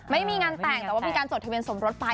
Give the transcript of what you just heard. ไม่มีงานแต่งแต่ว่ามีการจดทะเบียนสมรสไป